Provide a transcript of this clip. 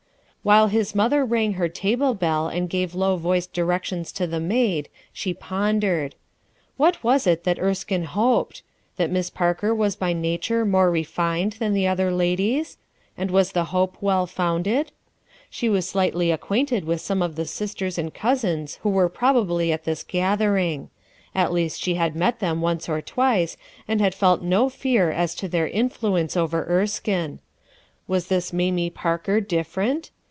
While his mother rang her table bell and gave low voiced directions to the maid, she pondered. What was it that Erskine hoped? That Miss Parker was by nature more refined than the other ladies? And was the hope well founded? She was slightly acquainted with some of the sisters and cousins who were probably at this gathering At least she had met them once or twice and had felt no fear as to their influ ence over Erskine. Was this Mamie Parker different?